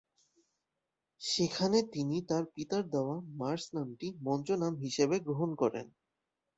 সেখানে তিনি তার পিতার দেওয়া "মার্স" নামটি মঞ্চ নাম হিসেবে গ্রহণ করেন।